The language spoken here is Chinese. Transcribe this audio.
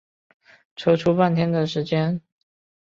抽出半天的时间